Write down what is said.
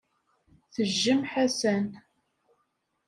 Tejjem Ḥasan.